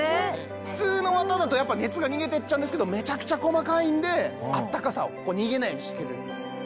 普通のわただとやっぱ熱が逃げてっちゃうんですけどめちゃくちゃ細かいんで暖かさを逃げないようにしてくれる。